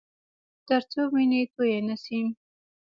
ترڅو وینې تویې نه شي